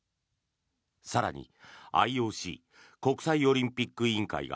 更に、ＩＯＣ・国際オリンピック委員会が